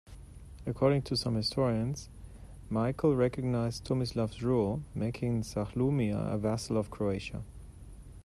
According to some historians, Michael recognized Tomislav's rule, making Zachlumia a vassal of Croatia.